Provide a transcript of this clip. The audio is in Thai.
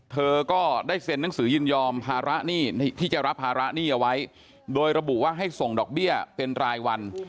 เธอก็ได้เซ็นหนังสือยินยอมภาระหนี้ที่จะรับภาระหนี้เอาไว้โดยระบุว่าให้ส่งดอกเบี้ยเป็นรายวัน